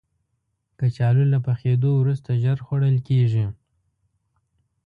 کچالو له پخېدو وروسته ژر خوړل کېږي